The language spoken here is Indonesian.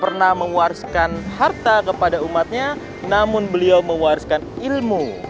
karena mewariskan harta kepada umatnya namun beliau mewariskan ilmu